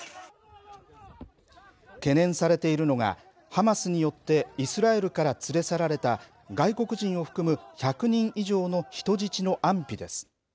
懸念されているのが、ハマスによってイスラエルから連れ去られた、外国人を含む１００人以上の人質の安否です。